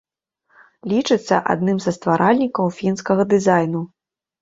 Лічыцца адным са стваральнікаў фінскага дызайну.